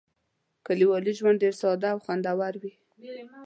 کلیوالي ژوند ډېر ساده او خوندور وي.